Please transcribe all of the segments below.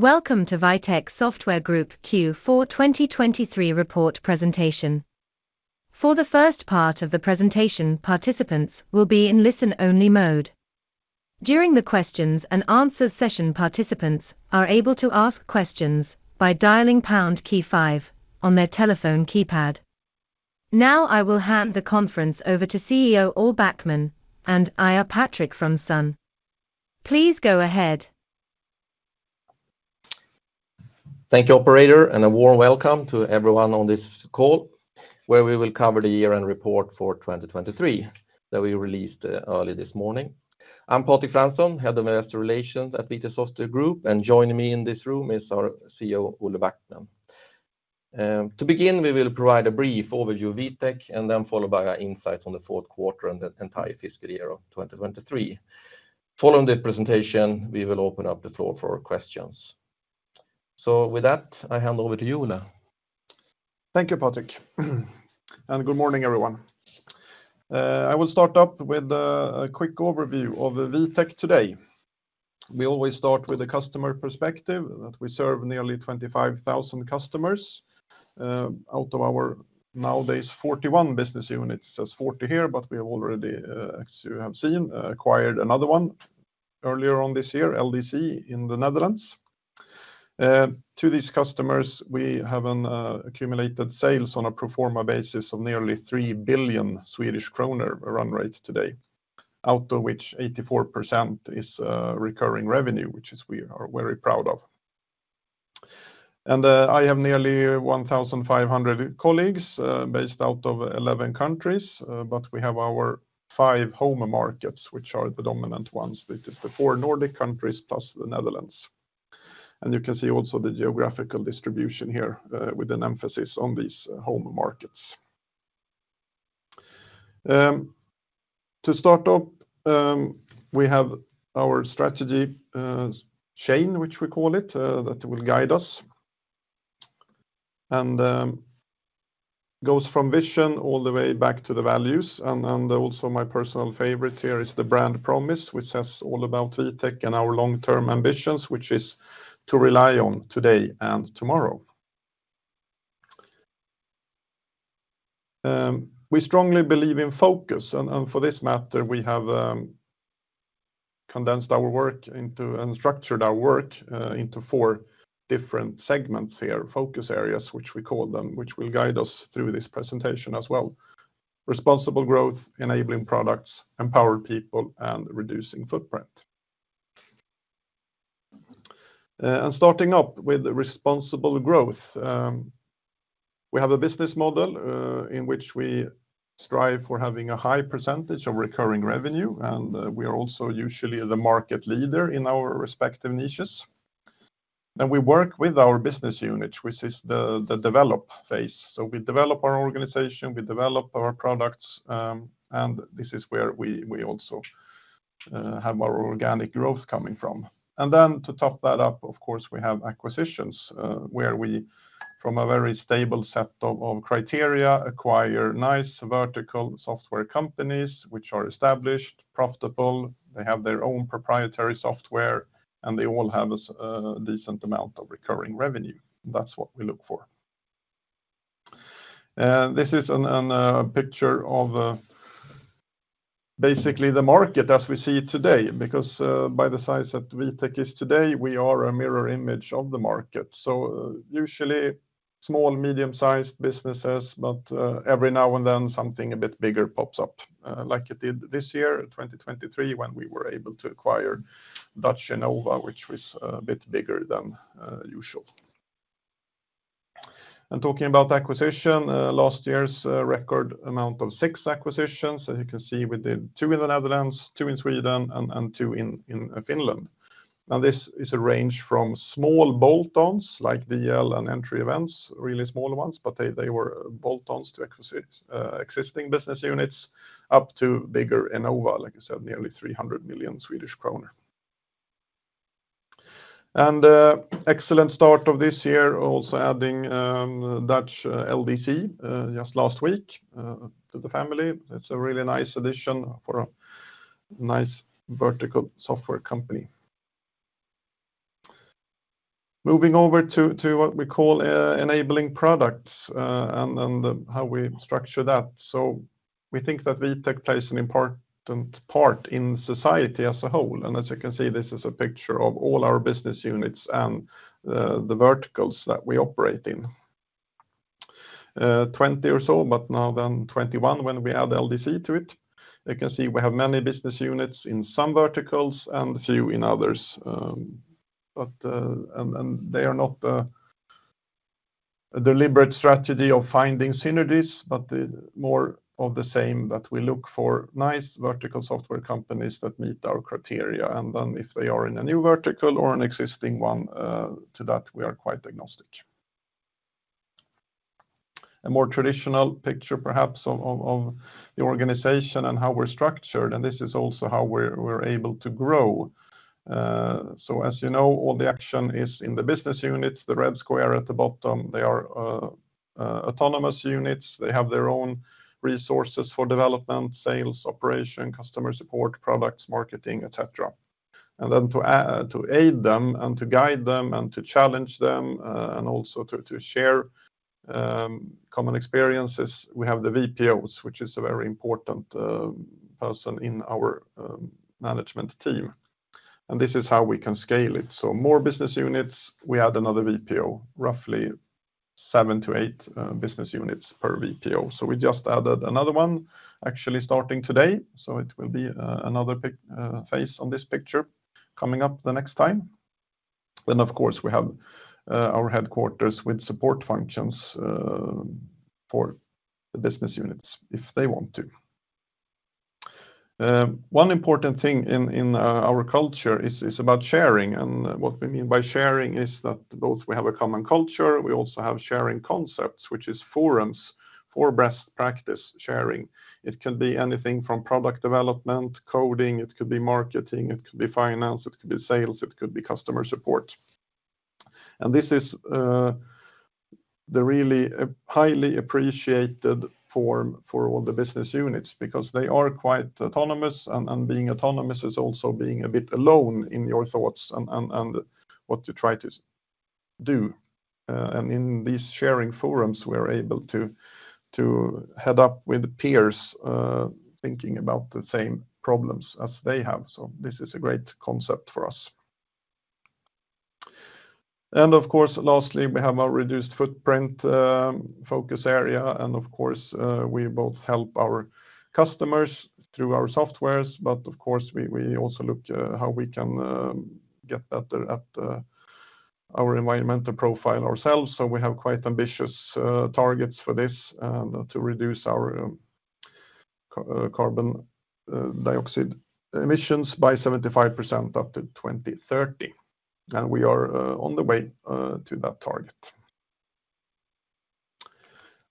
Welcome to Vitec Software Group Q4 2023 report presentation. For the first part of the presentation, participants will be in listen-only mode. During the questions and answers session, participants are able to ask questions by dialing pound key five on their telephone keypad. Now, I will hand the conference over to CEO, Olle Backman, and Patrik Fransson. Please go ahead. Thank you, operator, and a warm welcome to everyone on this call, where we will cover the year-end report for 2023 that we released early this morning. I'm Patrik Fransson, Head of Investor Relations at Vitec Software Group, and joining me in this room is our CEO, Olle Backman. To begin, we will provide a brief overview of Vitec, and then followed by our insights on the fourth quarter and the entire fiscal year of 2023. Following the presentation, we will open up the floor for questions. With that, I hand over to you, Olle. Thank you, Patrik, and good morning, everyone. I will start up with a quick overview of Vitec today. We always start with a customer perspective, that we serve nearly 25,000 customers out of our nowadays 41 business units. Says 40 here, but we have already, as you have seen, acquired another one earlier on this year, LDC in the Netherlands. To these customers, we have an accumulated sales on a pro forma basis of nearly 3 billion Swedish kronor run rate today, out of which 84% is recurring revenue, which is, we are very proud of. And I have nearly 1,500 colleagues based out of 11 countries, but we have our five home markets, which are the dominant ones, which is the four Nordic countries plus the Netherlands. You can see also the geographical distribution here, with an emphasis on these home markets. To start up, we have our strategy chain, which we call it, that will guide us. And goes from vision all the way back to the values, and, and also my personal favorite here is the brand promise, which says all about Vitec and our long-term ambitions, which is to rely on today and tomorrow. We strongly believe in focus, and, and for this matter, we have condensed our work into, and structured our work into four different segments here, focus areas, which we call them, which will guide us through this presentation as well. Responsible growth, enabling products, empowered people, and reducing footprint. And starting up with responsible growth, we have a business model in which we strive for having a high percentage of recurring revenue, and we are also usually the market leader in our respective niches. We work with our business units, which is the develop phase. So we develop our organization, we develop our products, and this is where we also have our organic growth coming from. And then to top that up, of course, we have acquisitions where we from a very stable set of criteria acquire nice vertical software companies, which are established, profitable, they have their own proprietary software, and they all have a decent amount of recurring revenue. That's what we look for. This is a picture of basically the market as we see it today, because by the size that Vitec is today, we are a mirror image of the market. So, usually small, medium-sized businesses, but every now and then, something a bit bigger pops up, like it did this year, in 2023, when we were able to acquire Dutch Enova, which was a bit bigger than usual. And talking about acquisition, last year's record amount of six acquisitions. As you can see, we did two in the Netherlands, two in Sweden, and two in Finland. Now, this is a range from small bolt-ons, like LDC and Entry Event, really small ones, but they were bolt-ons to acquire existing business units, up to bigger Enova, like I said, nearly 300 million Swedish kronor. Excellent start of this year, also adding Dutch LDC just last week to the family. It's a really nice addition for a nice vertical software company. Moving over to what we call enabling products and how we structure that. We think that Vitec plays an important part in society as a whole. And as you can see, this is a picture of all our business units and the verticals that we operate in. 20 or so, but now then 21, when we add LDC to it. You can see we have many business units in some verticals and a few in others, but and they are not a deliberate strategy of finding synergies, but more of the same, that we look for nice vertical software companies that meet our criteria, and then if they are in a new vertical or an existing one, to that, we are quite agnostic. A more traditional picture, perhaps, of the organization and how we're structured, and this is also how we're able to grow. So as you know, all the action is in the business units, the red square at the bottom. They are autonomous units. They have their own resources for development, sales, operation, customer support, products, marketing, et cetera. And then to aid them, and to guide them, and to challenge them, and also to share common experiences, we have the VPOs, which is a very important person in our management team. This is how we can scale it. So more business units, we add another VPO, roughly seven to eight business units per VPO. So we just added another one, actually starting today, so it will be another face on this picture coming up the next time. Then, of course, we have our headquarters with support functions for the business units, if they want to. One important thing in our culture is about sharing, and what we mean by sharing is that both we have a common culture, we also have sharing concepts, which is forums for best practice sharing. It can be anything from product development, coding, it could be marketing, it could be finance, it could be sales, it could be customer support. And this is the really highly appreciated forum for all the business units because they are quite autonomous, and being autonomous is also being a bit alone in your thoughts and what you try to do. And in these sharing forums, we're able to head up with peers thinking about the same problems as they have, so this is a great concept for us. And of course, lastly, we have our reduced footprint focus area, and of course, we both help our customers through our softwares, but of course, we also look how we can get better at our environmental profile ourselves, so we have quite ambitious targets for this, and to reduce our carbon dioxide emissions by 75% up to 2030, and we are on the way to that target.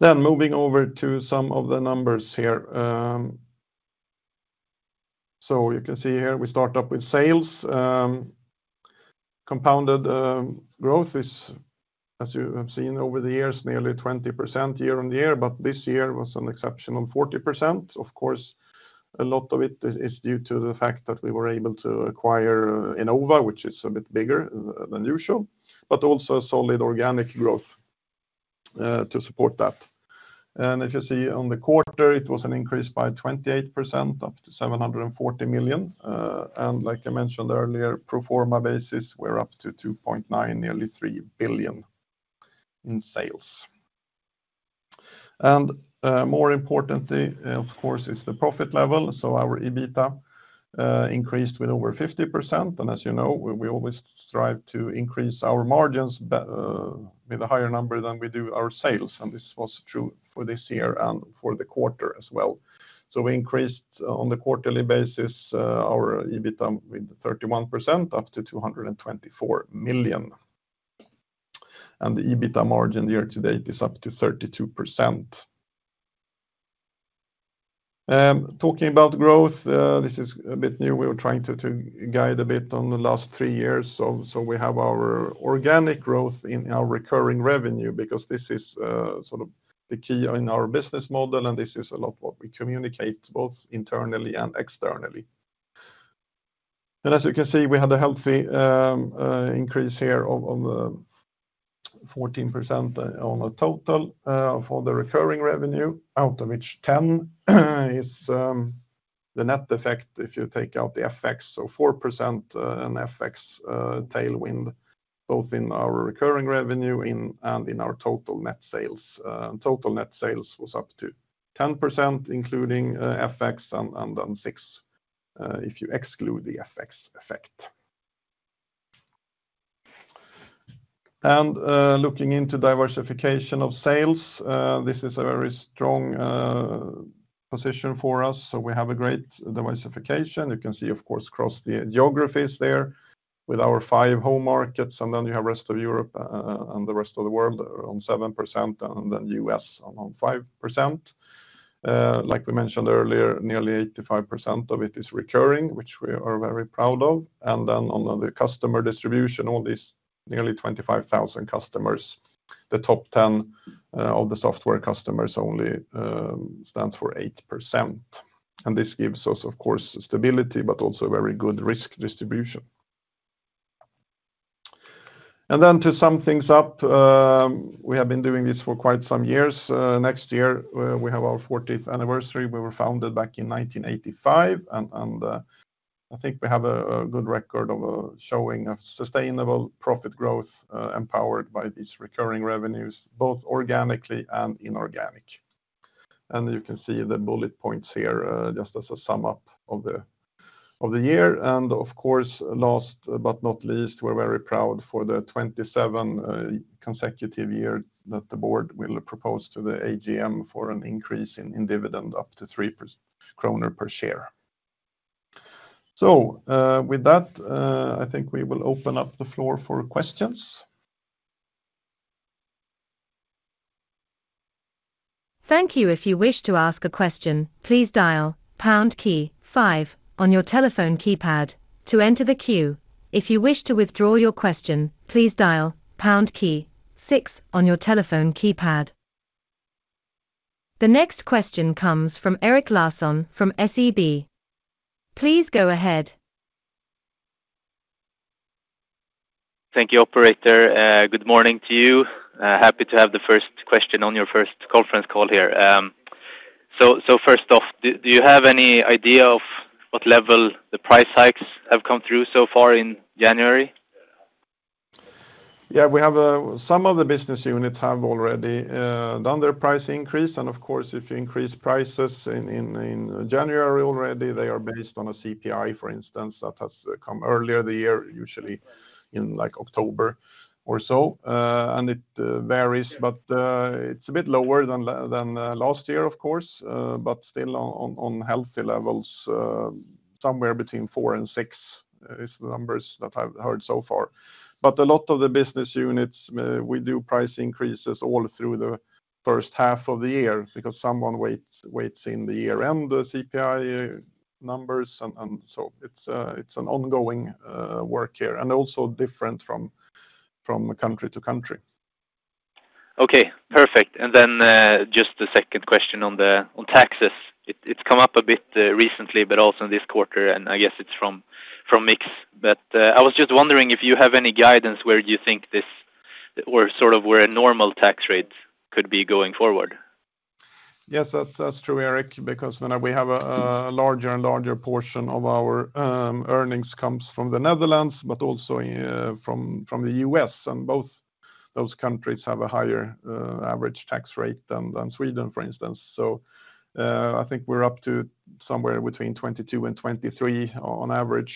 Then moving over to some of the numbers here. So you can see here, we start up with sales. Compounded growth is, as you have seen over the years, nearly 20% year-on-year, but this year was an exceptional 40%. Of course, a lot of it is due to the fact that we were able to acquire Enova, which is a bit bigger than usual, but also solid organic growth to support that. And if you see on the quarter, it was an increase by 28%, up to 740 million. And like I mentioned earlier, pro forma basis, we're up to 2.9 billion, nearly 3 billion in sales. And more importantly, of course, is the profit level. So our EBITDA increased with over 50%, and as you know, we always strive to increase our margins with a higher number than we do our sales, and this was true for this year and for the quarter as well. So we increased on the quarterly basis, our EBITDA with 31%, up to 224 million. And the EBITDA margin year to date is up to 32%. Talking about growth, this is a bit new. We were trying to guide a bit on the last three years, so we have our organic growth in our recurring revenue, because this is sort of the key in our business model, and this is a lot what we communicate, both internally and externally. And as you can see, we had a healthy increase here of 14% on the total for the recurring revenue, out of which 10% is the net effect if you take out the FX, so 4% and FX tailwind, both in our recurring revenue and in our total net sales. Total net sales was up to 10%, including FX and 6% if you exclude the FX effect. Looking into diversification of sales, this is a very strong position for us, so we have a great diversification. You can see, of course, across the geographies there with our 5 home markets, and then you have rest of Europe and the rest of the world on 7%, and then US on 5%. Like we mentioned earlier, nearly 85% of it is recurring, which we are very proud of. On the customer distribution, all these nearly 25,000 customers, the top 10 of the software customers only stands for 8%. This gives us, of course, stability, but also very good risk distribution. Then to sum things up, we have been doing this for quite some years. Next year, we have our 40th anniversary. We were founded back in 1985, and I think we have a good record of showing a sustainable profit growth, empowered by these recurring revenues, both organically and inorganic. You can see the bullet points here, just as a sum-up of the year. Of course, last but not least, we're very proud for the 27 consecutive year that the board will propose to the AGM for an increase in dividend up to 3.00 kronor per share. With that, I think we will open up the floor for questions. Thank you. If you wish to ask a question, please dial pound key five on your telephone keypad to enter the queue. If you wish to withdraw your question, please dial pound key six on your telephone keypad. The next question comes from Erik Larsson from SEB. Please go ahead. Thank you, operator. Good morning to you. Happy to have the first question on your first conference call here. First off, do you have any idea of what level the price hikes have come through so far in January? Yeah, we have, some of the business units have already done their price increase, and of course, if you increase prices in January already, they are based on a CPI, for instance, that has come earlier the year, usually in, like, October or so. And it varies, but it's a bit lower than last year, of course, but still on healthy levels, somewhere between four and six, is the numbers that I've heard so far. But a lot of the business units, we do price increases all through the first half of the year because someone waits in the year-end, the CPI numbers, and so it's an ongoing work here, and also different from country to country. Okay, perfect. And then, just the second question on taxes. It's come up a bit recently, but also in this quarter, and I guess it's from mix. But, I was just wondering if you have any guidance, where do you think this or sort of where a normal tax rate could be going forward? Yes, that's true, Erik, because when we have a larger and larger portion of our earnings comes from the Netherlands, but also from the U.S., and both those countries have a higher average tax rate than Sweden, for instance. So, I think we're up to somewhere between 22% to 23% on average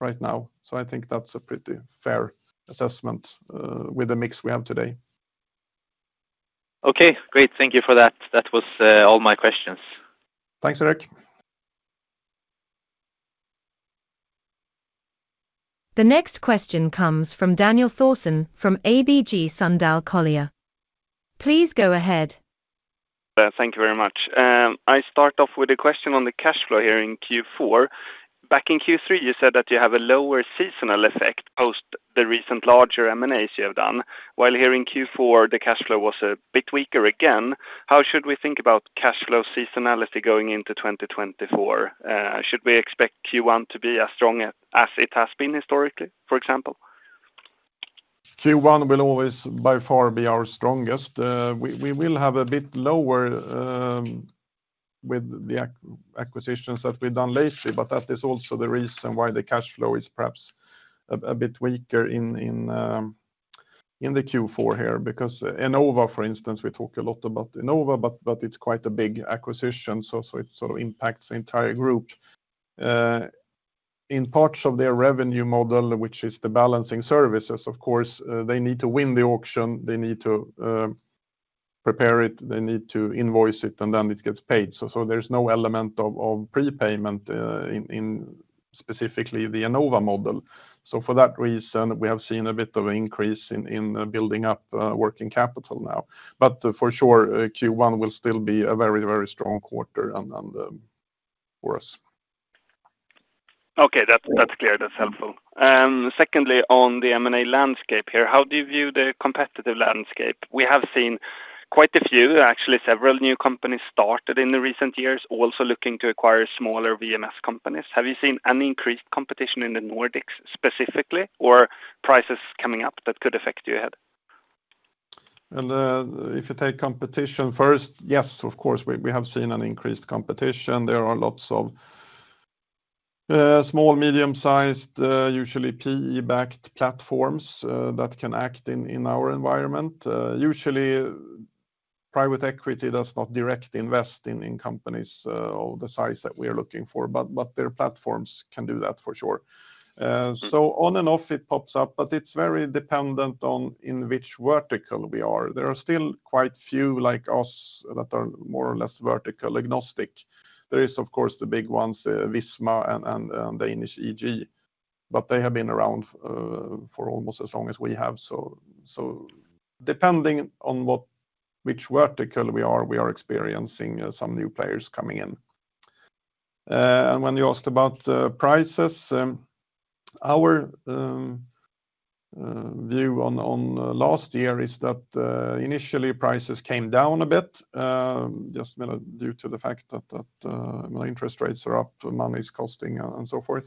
right now. So I think that's a pretty fair assessment with the mix we have today. Okay, great. Thank you for that. That was all my questions. Thanks, Erik. The next question comes from Daniel Thorsson, from ABG Sundal Collier. Please go ahead. Thank you very much. I start off with a question on the cash flow here in Q4. Back in Q3, you said that you have a lower seasonal effect, post the recent larger M&As you have done, while here in Q4, the cash flow was a bit weaker again. How should we think about cash flow seasonality going into 2024? Should we expect Q1 to be as strong as it has been historically, for example? Q1 will always, by far, be our strongest. We will have a bit lower with the acquisitions that we've done lately, but that is also the reason why the cash flow is perhaps a bit weaker in the Q4 here. Because Enova, for instance, we talk a lot about Enova, but it's quite a big acquisition, so it sort of impacts the entire group. In parts of their revenue model, which is the balancing services, of course, they need to win the auction, they need to prepare it, they need to invoice it, and then it gets paid. So there's no element of prepayment in specifically the Enova model. So for that reason, we have seen a bit of increase in building up working capital now. But for sure, Q1 will still be a very, very strong quarter on the... for us. Okay, that's, that's clear. That's helpful. Secondly, on the M&A landscape here, how do you view the competitive landscape? We have seen quite a few, actually, several new companies started in the recent years, also looking to acquire smaller VMS companies. Have you seen any increased competition in the Nordics, specifically, or prices coming up that could affect you ahead? And, if you take competition first, yes, of course, we have seen an increased competition. There are lots of small, medium-sized usually PE-backed platforms that can act in our environment. Usually, private equity does not direct invest in companies of the size that we are looking for, but their platforms can do that for sure. So on and off, it pops up, but it's very dependent on in which vertical we are. There are still quite few like us that are more or less vertical agnostic. There is, of course, the big ones, Visma and Danish EG, but they have been around for almost as long as we have. So depending on which vertical we are, we are experiencing some new players coming in. And when you asked about prices, our view on last year is that initially, prices came down a bit, just due to the fact that interest rates are up, money is costing, and so forth.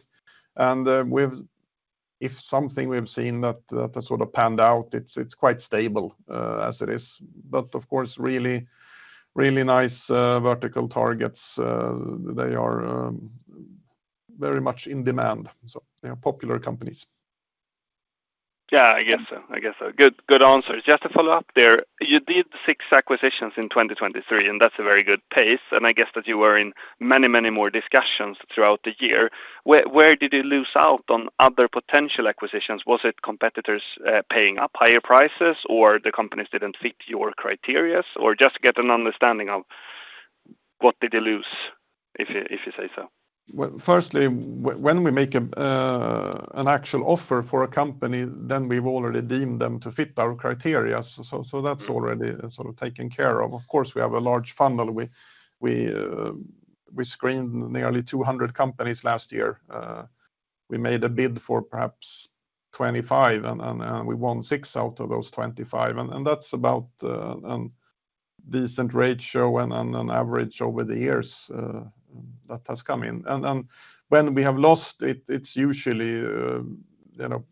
And we've—if something we've seen that sort of panned out, it's quite stable as it is. But of course, really nice vertical targets, they are very much in demand, so they are popular companies. Yeah, I guess so. I guess so. Good, good answer. Just to follow up there, you did six acquisitions in 2023, and that's a very good pace, and I guess that you were in many, many more discussions throughout the year. Where, where did you lose out on other potential acquisitions? Was it competitors paying up higher prices, or the companies didn't fit your criteria, or just get an understanding of what did they lose? If you, if you say so. Well, firstly, when we make an actual offer for a company, then we've already deemed them to fit our criteria. So that's already sort of taken care of. Of course, we have a large funnel. We screened nearly 200 companies last year. We made a bid for perhaps 25, and we won six out of those 25, and that's about decent ratio and an average over the years that has come in. And when we have lost, it's usually, you know,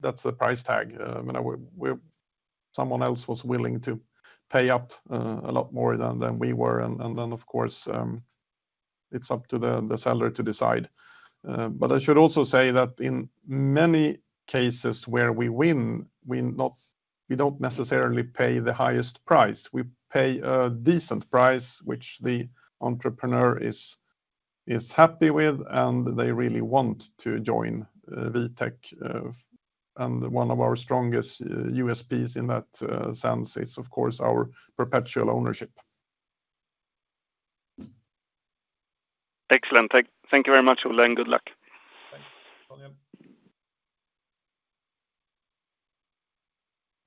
that's the price tag. I mean, someone else was willing to pay up a lot more than we were. And then, of course, it's up to the seller to decide. But I should also say that in many cases where we win, we don't necessarily pay the highest price. We pay a decent price, which the entrepreneur is happy with, and they really want to join Vitec. And one of our strongest USPs in that sense is, of course, our perpetual ownership. Excellent. Thank, thank you very much, Olle, and good luck.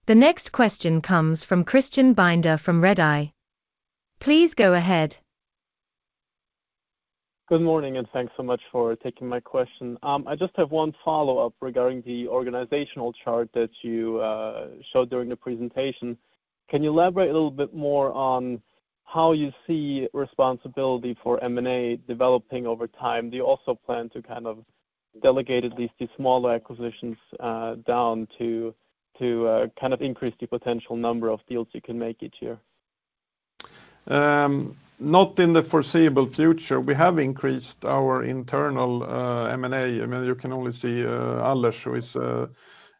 Thanks, Danny. The next question comes from Christian Binder from Redeye. Please go ahead. Good morning, and thanks so much for taking my question. I just have one follow-up regarding the organizational chart that you showed during the presentation. Can you elaborate a little bit more on how you see responsibility for M&A developing over time? Do you also plan to kind of delegate at least the smaller acquisitions down to kind of increase the potential number of deals you can make each year? Not in the foreseeable future. We have increased our internal M&A. I mean, you can only see Alex, who is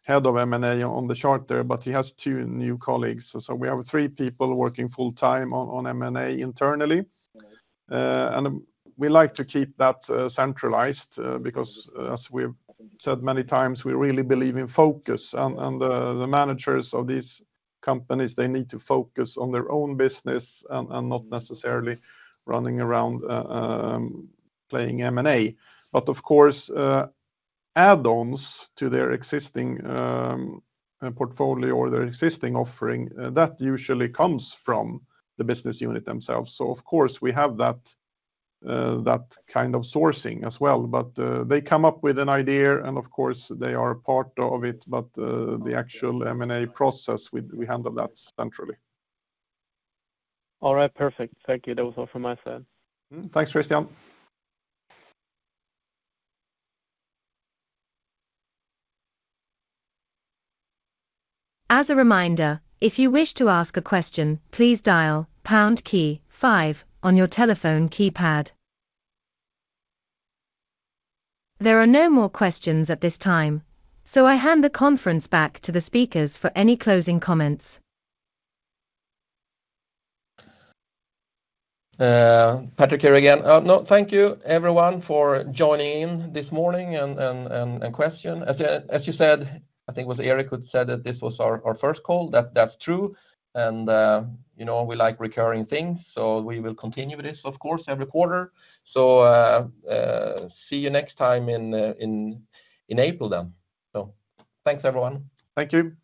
head of M&A on the chart there, but he has two new colleagues. So we have three people working full time on M&A internally. And we like to keep that centralized, because, as we've said many times, we really believe in focus. And the managers of these companies, they need to focus on their own business and not necessarily running around playing M&A. But of course, add-ons to their existing portfolio or their existing offering, that usually comes from the business unit themselves. So of course, we have that, that kind of sourcing as well, but, they come up with an idea, and of course, they are a part of it, but, the actual M&A process, we, we handle that centrally. All right, perfect. Thank you. That was all from my side. Thanks, Christian. As a reminder, if you wish to ask a question, please dial pound key five on your telephone keypad. There are no more questions at this time, so I hand the conference back to the speakers for any closing comments. Patrik, here again. No, thank you, everyone, for joining in this morning and question. As you said, I think it was Erik who said that this was our first call, that's true. You know, we like recurring things, so we will continue this, of course, every quarter. See you next time in April then. So thanks, everyone. Thank you.